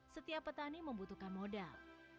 setiap petani membutuhkan modal